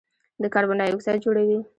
د کاربن ډای اکسایډ جوړوي.